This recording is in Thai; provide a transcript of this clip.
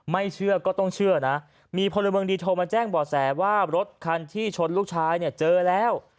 ไม่เชื่อก็ต้องเชื่อนะมีพลเมืองดีโทรมาแจ้งบ่อแสว่ารถคันที่ชนลูกชายเนี่ยเจอแล้ว